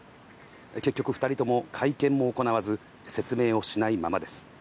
結局２人とも会見も行わず、説明をしないままです。